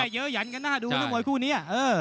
เยอะหยันกันหน้าดูทั้งหมดคู่นี้